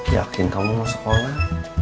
yakin kamu mau sekolah